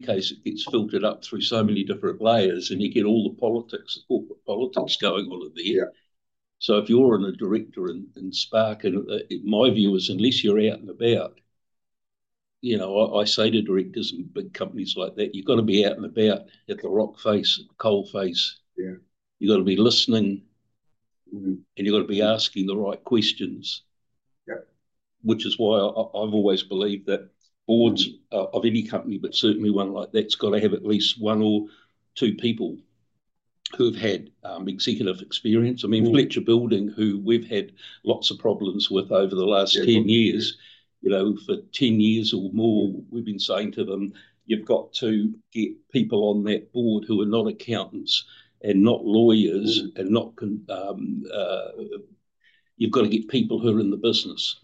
In case it gets filtered up through so many different layers, and you get all the politics, the corporate politics going all over the air. So if you're a director in Spark, and my view is, unless you're out and about, you know, I say to directors in big companies like that, you've got to be out and about at the rock face, coal face. You've got to be listening, and you've got to be asking the right questions. Which is why I've always believed that boards of any company, but certainly one like that, has got to have at least one or two people who've had executive experience. I mean, Fletcher Building, who we've had lots of problems with over the last 10 years, you know, for 10 years or more, we've been saying to them, you've got to get people on that board who are not accountants and not lawyers and not—you've got to get people who are in the business.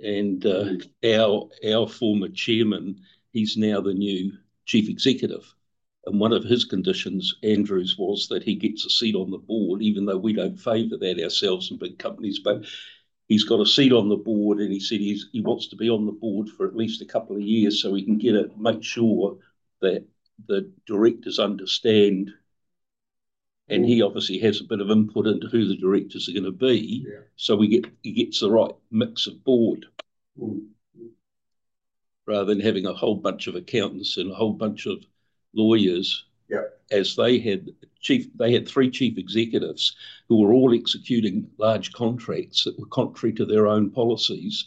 And our former chairman, he's now the new Chief Executive. And one of his conditions, Andrew's, was that he gets a seat on the board, even though we don't favour that ourselves in big companies. But he's got a seat on the board, and he said he wants to be on the board for at least a couple of years so he can get it, make sure that the directors understand. And he obviously has a bit of input into who the directors are going to be. So he gets the right mix of board, rather than having a whole bunch of accountants and a whole bunch of lawyers. As they had three chief executives who were all executing large contracts that were contrary to their own policies,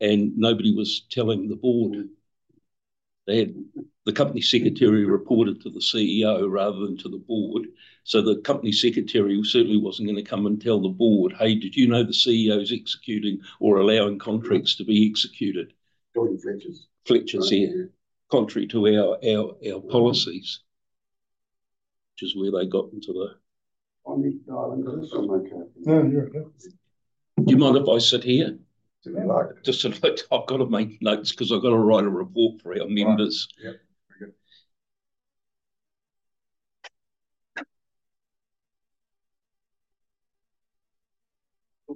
and nobody was telling the board. The company secretary reported to the CEO rather than to the board. So the company secretary certainly wasn't going to come and tell the board, "Hey, did you know the CEO's executing or allowing contracts to be executed? Gordon Fletchers. Fletchers, yeah. Contrary to our policies, which is where they got into the. You mind if I sit here? Do you like it? I've got to make notes because I've got to write a report for our members. Yeah.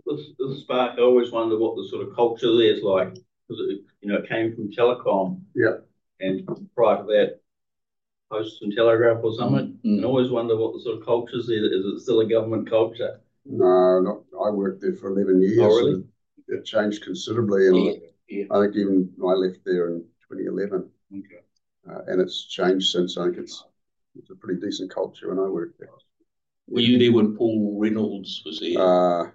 This is Spark. I always wondered what the sort of culture there is like. You know, it came from Telecom. And prior to that, Post and Telegraph or something. I always wondered what the sort of culture is there. Is it still a government culture? No, I worked there for 11 years. It changed considerably. I think even I left there in 2011, and it's changed since. I think it's a pretty decent culture when I worked there. Were you there when Paul Reynolds was there?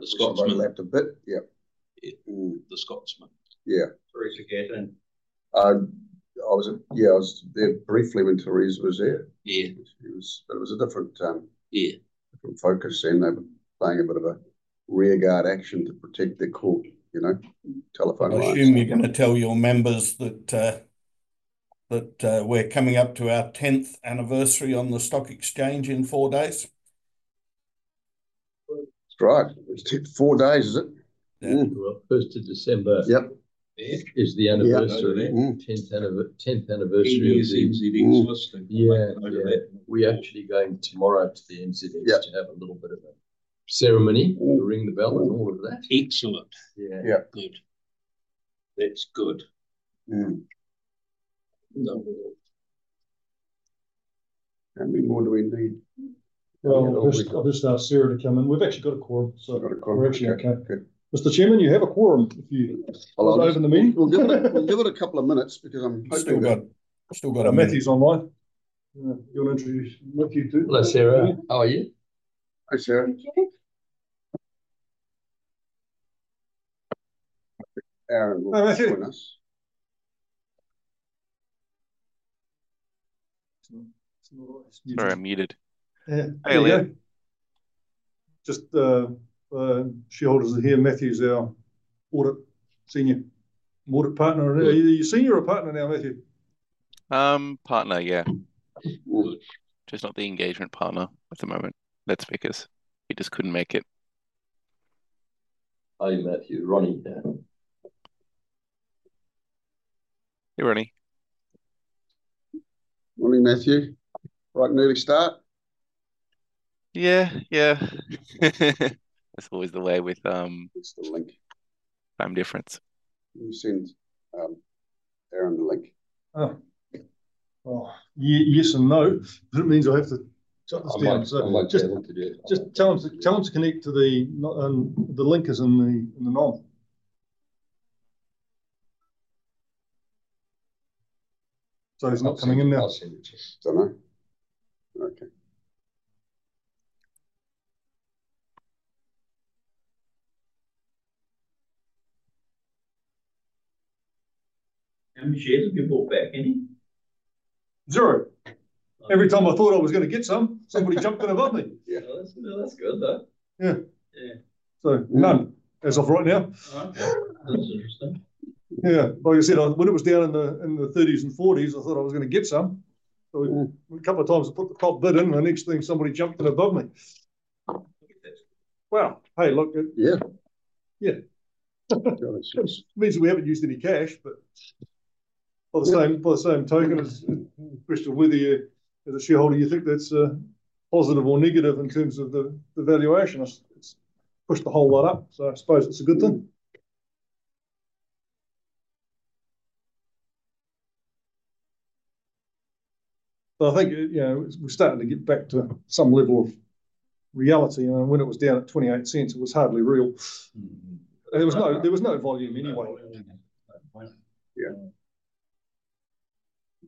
The Scotsman left a bit. Yeah. The Scotsman. Yeah. Theresa Gattung. I was there briefly when Theresa was there. But it was a different focus then. They were playing a bit of a rearguard action to protect their core, you know, telephone lines. I assume you're going to tell your members that we're coming up to our 10th anniversary on the stock exchange in four days. That's right. Four days, is it? First of December is the anniversary, 10th anniversary of the NZX. Yeah. We're actually going tomorrow to the NZX to have a little bit of a ceremony, ring the bell and all of that. Excellent. Yeah. Good. That's good. How many more do we need? I'll just ask Sarah to come in. We've actually got a quorum. We've got a quorum. We're actually okay. Mr. Chairman, you have a quorum. Hello? Give it a couple of minutes because I'm hoping... Still got— Matthew's online. You want to introduce Matthew too? Hello, Sarah. How are you? Hi, Sarah. Very muted. Here we go. Just the shareholders are here. Matthew's our audit senior, audit partner. Are you senior or partner now, Matthew? Partner, yeah. Just not the engagement partner at the moment. The lead speaker. He just couldn't make it. Hi, Matthew. Ronnie here. Hey, Ronnie. Ronnie, Matthew. Right, an early start? Yeah, yeah. That's always the way with— It's the link. Time difference. You send Aaron the link. Oh, well, yes and no. But it means I have to- Just tell him to connect to the link. It's in the notes. So he's not coming in now. I'll send it to him. Don't know. Okay. How many shares have you bought back, Kenny? Zero. Every time I thought I was going to get some, somebody jumped in above me. Yeah. That's good, though. Yeah. So none. That's all for right now. That's interesting. Yeah. Like I said, when it was down in the 30s and 40s, I thought I was going to get some. A couple of times I put the top bid in, the next thing, somebody jumped in above me. Well, hey, look. Yeah. Yeah. It means we haven't used any cash, but by the same token, it's a question of whether you, as a shareholder, you think that's positive or negative in terms of the valuation. It's pushed the whole lot up. So I suppose it's a good thing. But I think we're starting to get back to some level of reality. And when it was down at 0.28, it was hardly real. There was no volume anyway.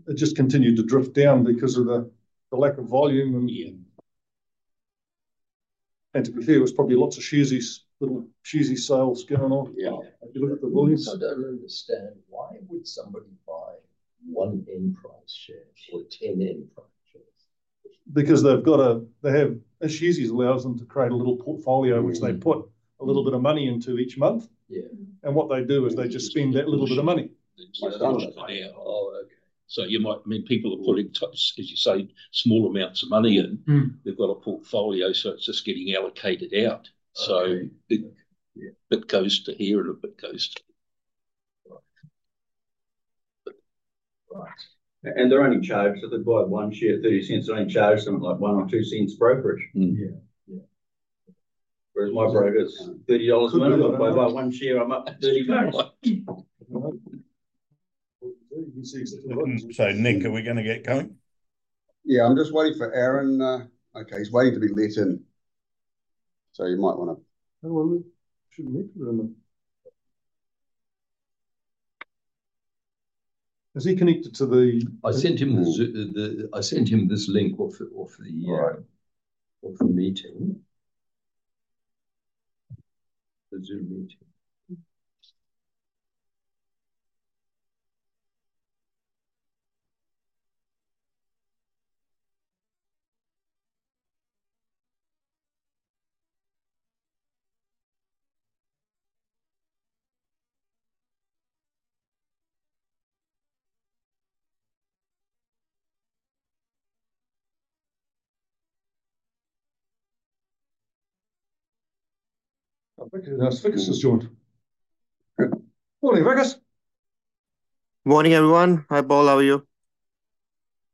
It just continued to drift down because of the lack of volume. And to be fair, there was probably lots of cheesy sales going on. If you look at the volumes. I don't understand. Why would somebody buy one Enprise share or 10 Enprise shares? Because they have a scheme allows them to create a little portfolio, which they put a little bit of money into each month, and what they do is they just spend that little bit of money. Oh, okay. So you might, I mean, people are putting, as you say, small amounts of money in. They've got a portfolio, so it's just getting allocated out. So a bit goes to here and a bit goes to... And they're only charged, if they buy one share, 0.30, they're only charged something like 0.01-0.02 brokerage. Whereas my broker is NZD 30 a minute. If I buy one share, I'm up GBP 30. So Nick, are we going to get going? Yeah, I'm just waiting for Aaron. Okay, he's waiting to be let in. So you might want to... I don't want to meet with him. Is he connected to the— I sent him this link of the meeting. I think it's Vikas's joint. Morning, Vikas. Morning, everyone. Hi, Paul. How are you?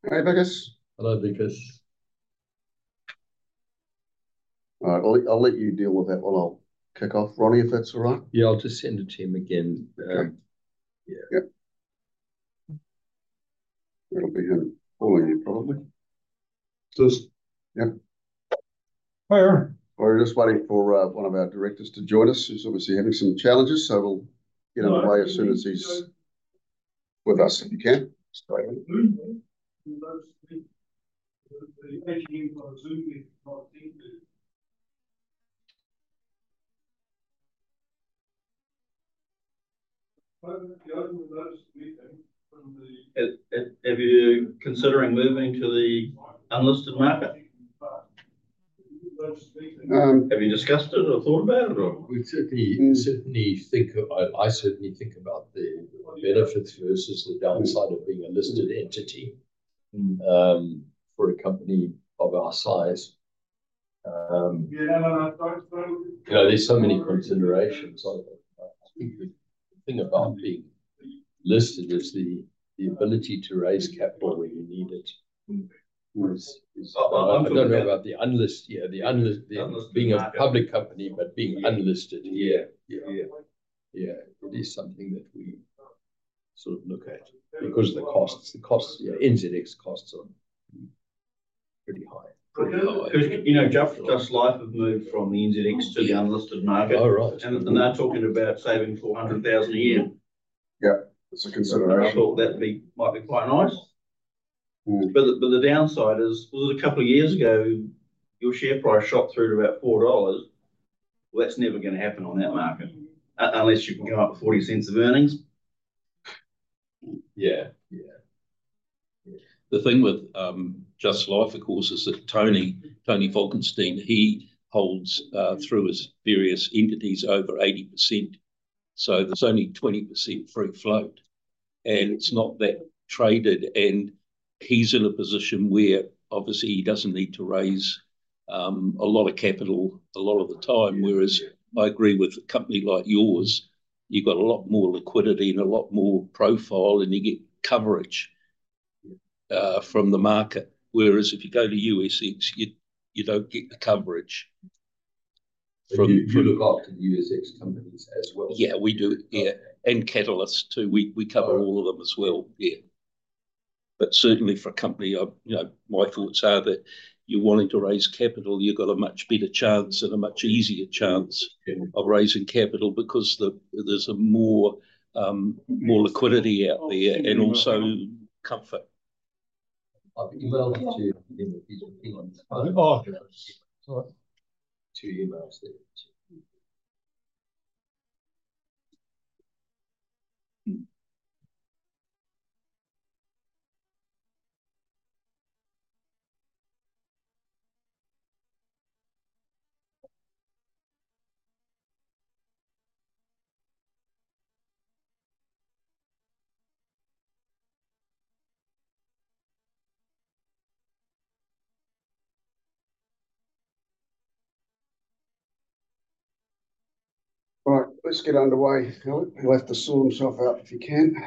Hey, vikas. Hello, Vikas. All right. I'll let you deal with that while I'll kick off. Ronnie, if that's all right? Yeah, I'll just send it to him again. Yeah. It'll be him calling you, probably. yeah. Hi, Aaron. We're just waiting for one of our directors to join us. He's obviously having some challenges, so we'll get him away as soon as he's with us, if you can. Have you considering moving to the Unlisted Market? Have you discussed it or thought about it? I certainly think about the benefits versus the downside of being a listed entity for a company of our size. There's so many considerations. I think the thing about being listed is the ability to raise capital when you need it. I don't know about the unlisted, yeah, the unlisted, being a public company, but being unlisted here. Yeah, it is something that we sort of look at because of the costs. The costs, NZX costs, are pretty high. You know, Just Life has moved from the NZX to the unlisted market. And they're talking about saving 400,000 a year. Yeah, that's a consideration. I thought that might be quite nice. The downside is, a couple of years ago, your share price shot through to about 4 dollars. That's never going to happen on that market, unless you can come up with 0.40 of earnings. Yeah. The thing with Just Life, of course, is that Tony Falkenstein, he holds through his various entities over 80%. So there's only 20% free float. And it's not that traded. And he's in a position where, obviously, he doesn't need to raise a lot of capital a lot of the time. Whereas I agree with a company like yours, you've got a lot more liquidity and a lot more profile, and you get coverage from the market. Whereas if you go to USX, you don't get the coverage from. You look after USX companies as well? Yeah, we do. Yeah. And Catalyst too. We cover all of them as well. Yeah. But certainly for a company, my thoughts are that you're wanting to raise capital. You've got a much better chance and a much easier chance of raising capital because there's more liquidity out there and also comfort. Emailed it to you in a few minutes. Two emails there. All right, let's get underway. We'll have to sort himself out if he can.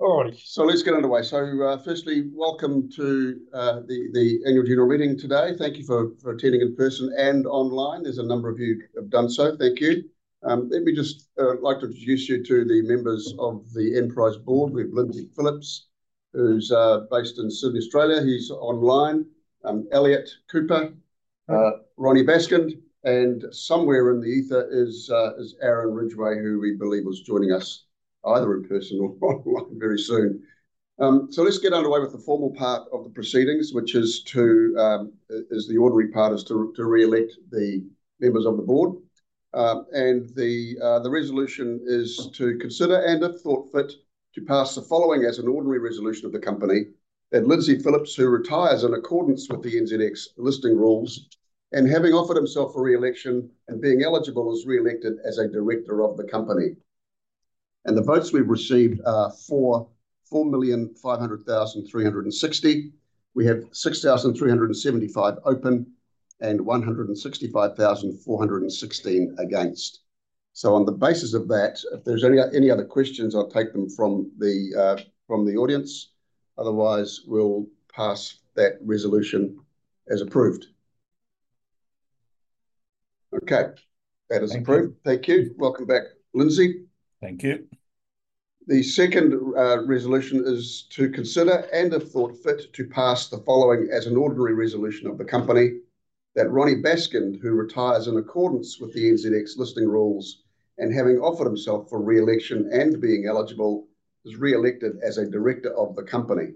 All right. So let's get underway. So firstly, welcome to the annual general meeting today. Thank you for attending in person and online. There's a number of you who have done so. Thank you. Let me just like to introduce you to the members of the Enprise Board. We have Lindsay Phillips, who's based in South Australia. He's online. Elliot Cooper, Ronnie Baskind. And somewhere in the ether is Aaron Ridgway, who we believe is joining us either in person or online very soon. So let's get underway with the formal part of the proceedings, which is the ordinary part, is to re-elect the members of the board. And the resolution is to consider, and if thought fit, to pass the following as an ordinary resolution of the company. That Lindsay Phillips, who retires in accordance with the NZX listing rules, and having offered himself for re-election and being eligible, is re-elected as a director of the company, and the votes we've received are 4,500,360. We have 6,375 open and 165,416 against, so on the basis of that, if there's any other questions, I'll take them from the audience. Otherwise, we'll pass that resolution as approved. Okay. That is approved. Thank you. Welcome back, Lindsay. Thank you. The second resolution is to consider, and if thought fit, to pass the following as an ordinary resolution of the company. That Ronnie Baskind, who retires in accordance with the NZX listing rules, and having offered himself for re-election and being eligible, is re-elected as a director of the company.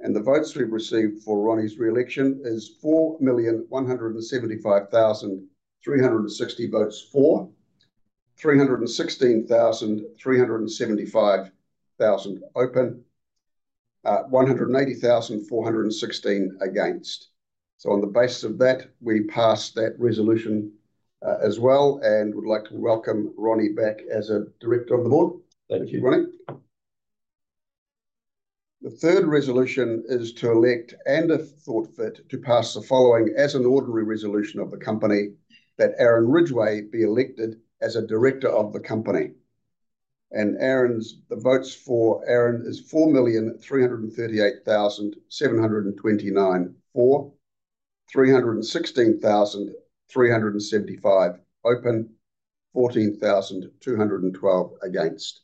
The votes we've received for Ronnie's re-election is 4,175,360 votes for, 316,375 open, 180,416 against. On the basis of that, we pass that resolution as well and would like to welcome Ronnie back as a director of the board. Thank you. The third resolution is to elect and if thought fit to pass the following as an ordinary resolution of the company. That Aaron Ridgway be elected as a director of the company. And the votes for Aaron is 4,338,729 for, 316,375 open, 14,212 against.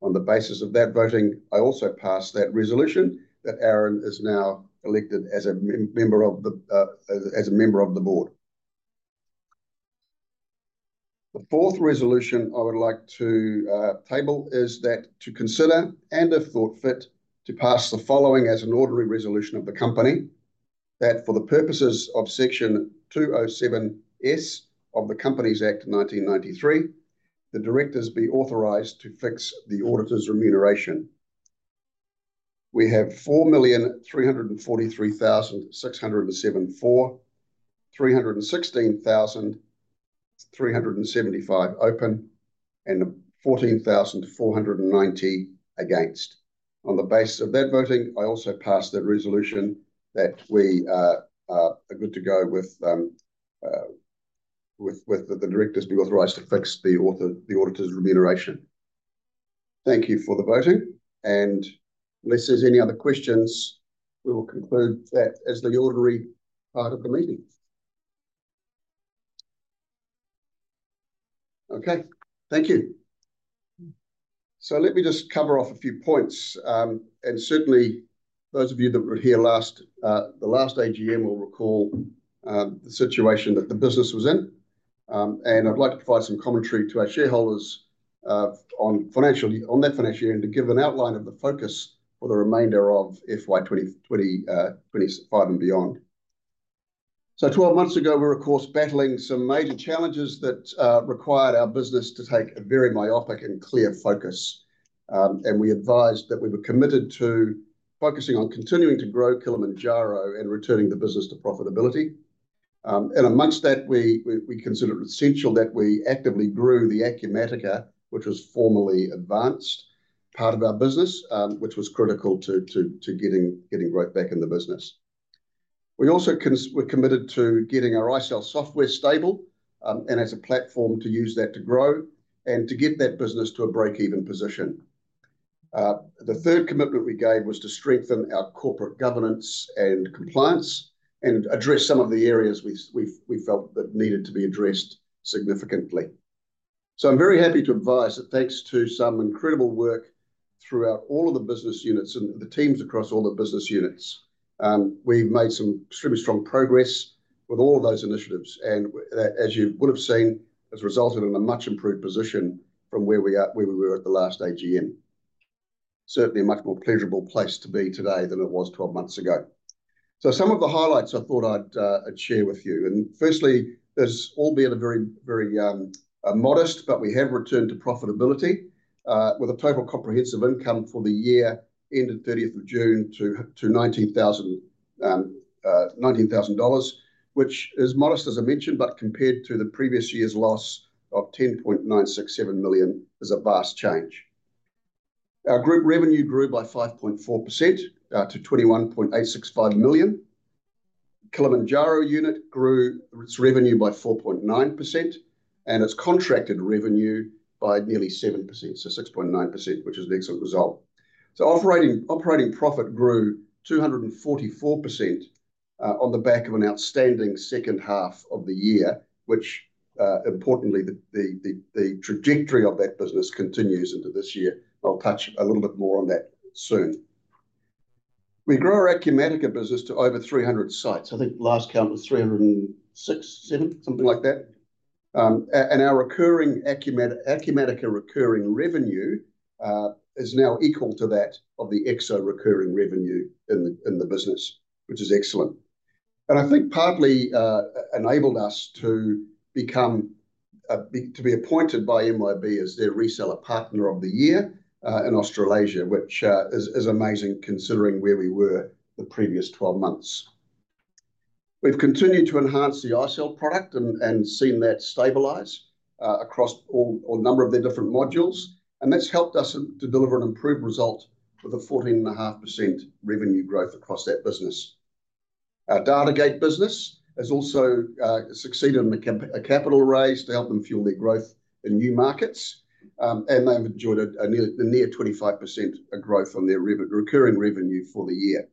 On the basis of that voting, I also pass that resolution that Aaron is now elected as a member of the board. The fourth resolution I would like to table is that to consider and if thought fit to pass the following as an ordinary resolution of the company. That for the purposes of Section 207S of the Companies Act 1993, the directors be authorized to fix the auditor's remuneration. We have 4,343,607 for, 316,375 open, and 14,490 against. On the basis of that voting, I also pass that resolution that we are good to go with the directors being authorized to fix the auditor's remuneration. Thank you for the voting. And unless there's any other questions, we will conclude that as the ordinary part of the meeting. Okay. Thank you. So let me just cover off a few points. And certainly, those of you that were here last, the last AGM will recall the situation that the business was in. And I'd like to provide some commentary to our shareholders on that financial year and to give an outline of the focus for the remainder of FY 2025 and beyond. So 12 months ago, we were, of course, battling some major challenges that required our business to take a very myopic and clear focus. And we advised that we were committed to focusing on continuing to grow Kilimanjaro and returning the business to profitability. And amongst that, we considered essential that we actively grew the Acumatica, which was formerly Advanced, part of our business, which was critical to getting right back in the business. We also were committed to getting our iSell software stable and as a platform to use that to grow and to get that business to a break-even position. The third commitment we gave was to strengthen our corporate governance and compliance and address some of the areas we felt that needed to be addressed significantly. So I'm very happy to advise that thanks to some incredible work throughout all of the business units and the teams across all the business units, we've made some extremely strong progress with all of those initiatives. And as you would have seen, it's resulted in a much improved position from where we were at the last AGM. Certainly, a much more pleasurable place to be today than it was 12 months ago, so some of the highlights I thought I'd share with you. And firstly, this all being very modest, but we have returned to profitability with a total comprehensive income for the year ended 30th of June to NZD 19,000, which is modest, as I mentioned, but compared to the previous year's loss of 10.967 million is a vast change. Our group revenue grew by 5.4% to 21.865 million. Kilimanjaro unit grew its revenue by 4.9%, and its contracted revenue by nearly 7%, so 6.9%, which is an excellent result. So operating profit grew 244% on the back of an outstanding second half of the year, which importantly, the trajectory of that business continues into this year. I'll touch a little bit more on that soon. We grew our Acumatica business to over 300 sites. I think last count was 306, something like that. And our Acumatica recurring revenue is now equal to that of the Exo recurring revenue in the business, which is excellent. And I think partly enabled us to be appointed by MYOB as their reseller partner of the year in Australasia, which is amazing considering where we were the previous 12 months. We've continued to enhance the ISOL product and seen that stabilize across a number of the different modules. And that's helped us to deliver an improved result with a 14.5% revenue growth across that business. Our Datagate business has also succeeded in a capital raise to help them fuel their growth in new markets. And they've enjoyed a near 25% growth on their recurring revenue for the year.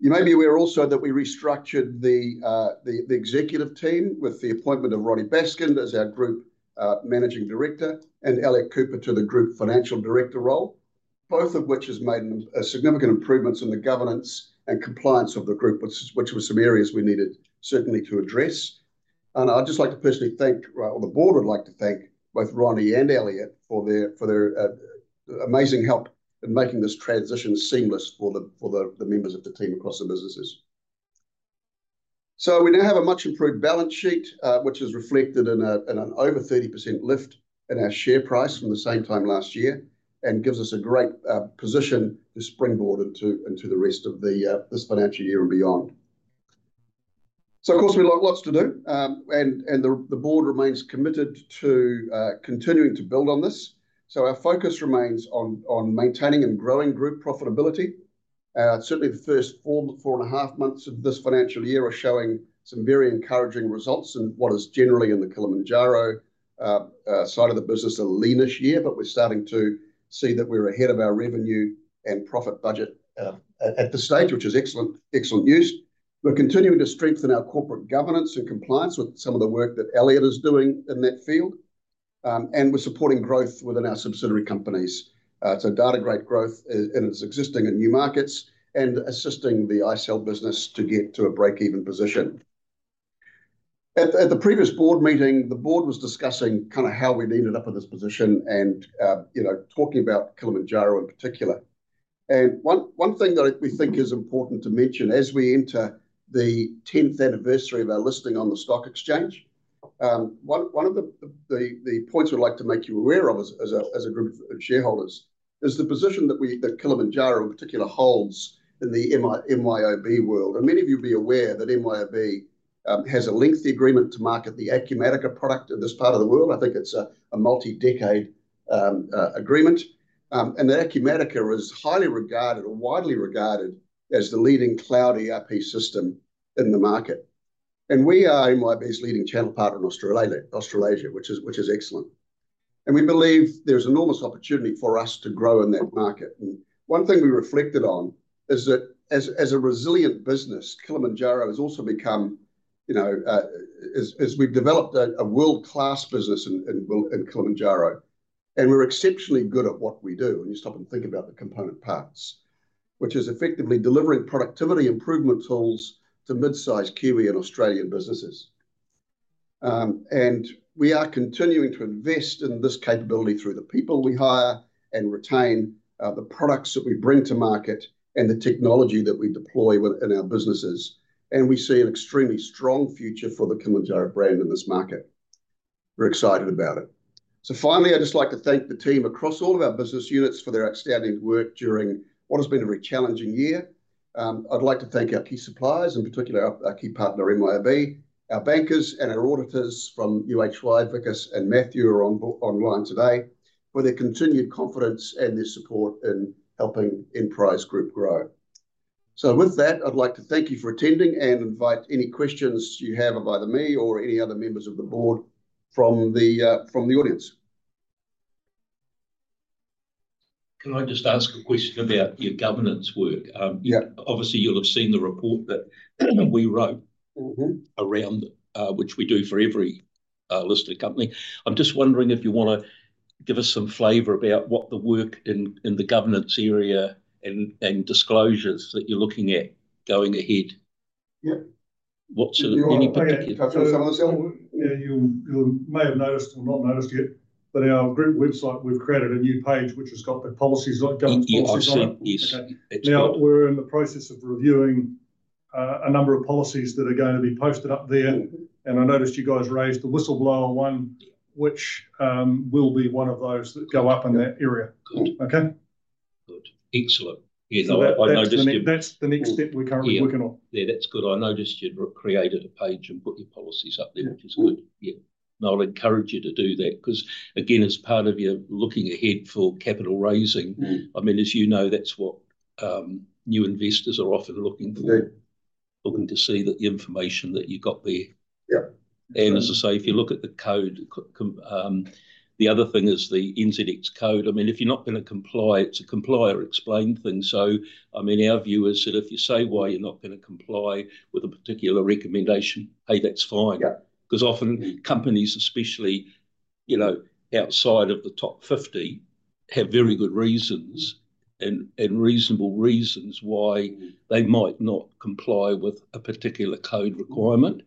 You may be aware also that we restructured the executive team with the appointment of Ronnie Baskind as our Group Managing Director and Elliot Cooper to the Group Financial Director role, both of which have made significant improvements in the governance and compliance of the group, which were some areas we needed certainly to address. And I'd just like to personally thank, or the board would like to thank both Ronnie and Elliot for their amazing help in making this transition seamless for the members of the team across the businesses. we now have a much improved balance sheet, which is reflected in an over 30% lift in our share price from the same time last year and gives us a great position to springboard into the rest of this financial year and beyond. So of course, we have lots to do. And the board remains committed to continuing to build on this. So our focus remains on maintaining and growing group profitability. Certainly, the first four and a half months of this financial year are showing some very encouraging results in what is generally in the Kilimanjaro side of the business, a leanish year, but we're starting to see that we're ahead of our revenue and profit budget at this stage, which is excellent news. We're continuing to strengthen our corporate governance and compliance with some of the work that Elliot is doing in that field. we're supporting growth within our subsidiary companies. So Datagate growth in its existing and new markets and assisting the ISOL business to get to a break-even position. At the previous board meeting, the board was discussing kind of how we'd ended up in this position and talking about Kilimanjaro in particular. One thing that we think is important to mention as we enter the 10th anniversary of our listing on the stock exchange. One of the points we'd like to make you aware of as a group of shareholders is the position that Kilimanjaro in particular holds in the MYOB world. Many of you will be aware that MYOB has a lengthy agreement to market the Acumatica product in this part of the world. I think it's a multi-decade agreement. The Acumatica is highly regarded, widely regarded as the leading cloud ERP system in the market. We are MYOB's leading channel partner in Australasia, which is excellent. We believe there's enormous opportunity for us to grow in that market. One thing we reflected on is that as a resilient business, Kilimanjaro has also become, as we've developed a world-class business in Kilimanjaro, and we're exceptionally good at what we do. You stop and think about the component parts, which is effectively delivering productivity improvement tools to mid-size Kiwi and Australian businesses. We are continuing to invest in this capability through the people we hire and retain the products that we bring to market and the technology that we deploy in our businesses. We see an extremely strong future for the Kilimanjaro brand in this market. We're excited about it. Finally, I'd just like to thank the team across all of our business units for their outstanding work during what has been a very challenging year. I'd like to thank our key suppliers, in particular our key partner MYOB, our bankers, and our auditors from UHY, Vikas, and Matthew are online today for their continued confidence and their support in helping Enterprise Group grow. So with that, I'd like to thank you for attending and invite any questions you have about me or any other members of the board from the audience. Can I just ask a question about your governance work? Obviously, you'll have seen the report that we wrote around, which we do for every listed company. I'm just wondering if you want to give us some flavor about what the work in the governance area and disclosures that you're looking at going ahead. What sort of any particular? Yeah. I think some of the stuff you may have noticed or not noticed yet, but our group website, we've created a new page which has got the policies on it. Now, we're in the process of reviewing a number of policies that are going to be posted up there, and I noticed you guys raised the whistleblower one, which will be one of those that go up in that area. Okay? Good. Excellent. Yeah. I noticed you. That's the next step we're currently working on. Yeah. That's good. I noticed you'd created a page and put your policies up there, which is good. Yeah. No, I'll encourage you to do that because, again, as part of your looking ahead for capital raising, I mean, as you know, that's what new investors are often looking for, looking to see the information that you've got there. And as I say, if you look at the code, the other thing is the NZX code. I mean, if you're not going to comply, it's a comply or explain thing. So I mean, our view is that if you say why you're not going to comply with a particular recommendation, hey, that's fine. Because often companies, especially outside of the top 50, have very good reasons and reasonable reasons why they might not comply with a particular code requirement.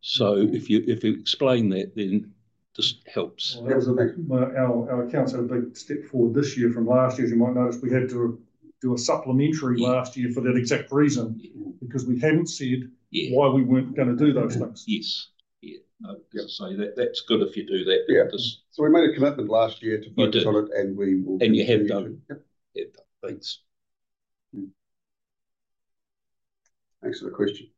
So if you explain that, then this helps. That was a big, our accounts had a big step forward this year from last year. As you might notice, we had to do a supplementary last year for that exact reason because we hadn't said why we weren't going to do those things. Yes. Yeah, so that's good if you do that. Yeah, so we made a commitment last year to focus on it, and we will. You have done it. Thanks. Thanks for the question.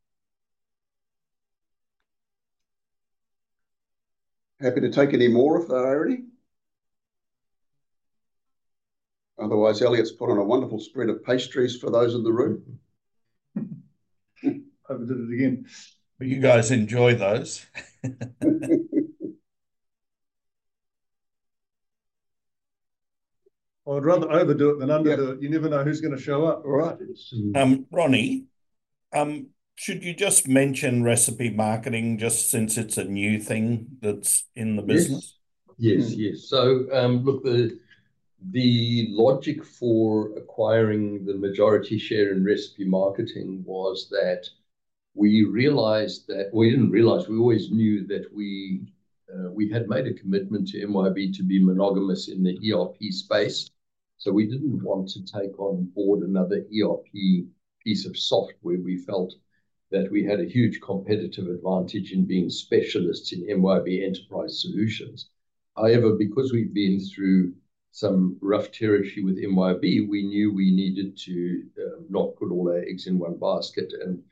Happy to take any more if they're ready. Otherwise, Elliot's put on a wonderful spread of pastries for those in the room. Overdo it again. But you guys enjoy those. I'd rather overdo it than underdo it. You never know who's going to show up. All right. Ronnie, should you just mention Recipe Marketing just since it's a new thing that's in the business? Yes. Yes. Yes. So look, the logic for acquiring the majority share in Recipe Marketing was that we realized that we didn't realize. We always knew that we had made a commitment to MYOB to be monogamous in the ERP space. So we didn't want to take on board another ERP piece of software. We felt that we had a huge competitive advantage in being specialists in MYOB Enterprise Solutions. However, because we've been through some rough territory with MYOB, we knew we needed to not put all our eggs in one basket. And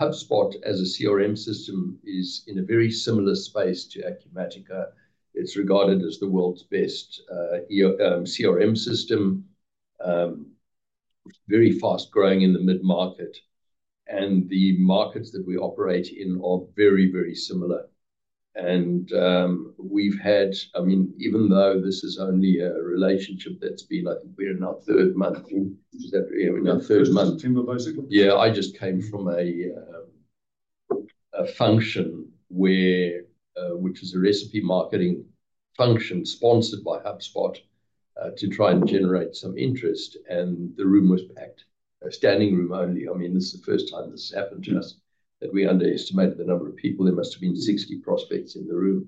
HubSpot, as a CRM system, is in a very similar space to Acumatica. It's regarded as the world's best CRM system, very fast-growing in the mid-market. And the markets that we operate in are very, very similar. We've had, I mean, even though this is only a relationship that's been, I think we're in our third month. Is that right? We're in our third month. September, basically. Yeah. I just came from a function which is a Recipe Marketing function sponsored by HubSpot to try and generate some interest. And the room was packed, a standing room only. I mean, this is the first time this has happened to us that we underestimated the number of people. There must have been 60 prospects in the room.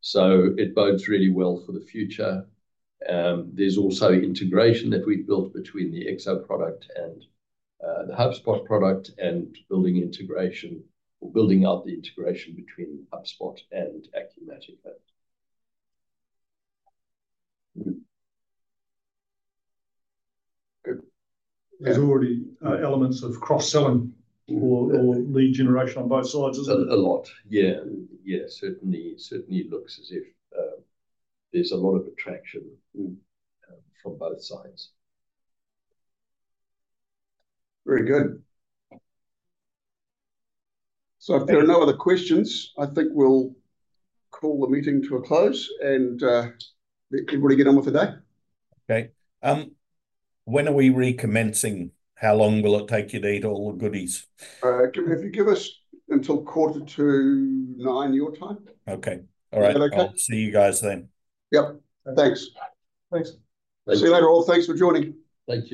So it bodes really well for the future. There's also integration that we've built between the EXO product and the HubSpot product and building integration or building out the integration between HubSpot and Acumatica. Good. There's already elements of cross-selling or lead generation on both sides, isn't there? A lot. Yeah. Yeah. Certainly, certainly looks as if there's a lot of attraction from both sides. Very good. So if there are no other questions, I think we'll call the meeting to a close. And everybody get on with the day. Okay. When are we recommencing? How long will it take you to eat all the goodies? Can you give us until quarter to 9:00 your time? Okay. All right. See you guys then. Yep. Thanks. Thanks. See you later, all. Thanks for joining. Thank you.